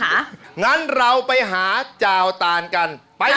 เพราะฉะนั้นเราไปหาเจ้าตานกันไปเลย